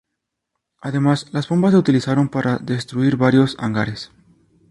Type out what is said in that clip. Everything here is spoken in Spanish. Además, las bombas se utilizaron para destruir varios hangares.